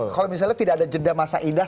kalau misalnya tidak ada jeda masa indah